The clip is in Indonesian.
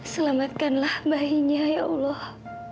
selamatkanlah bayinya ya allah